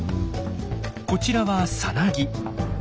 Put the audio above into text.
こちらはさなぎ。